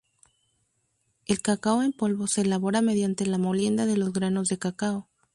El cacao en polvo se elabora mediante la molienda de los granos de cacao.